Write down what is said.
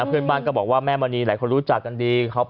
เพื่อนบ้านก็บอกว่าแม่มณีหลายคนรู้จักกันดี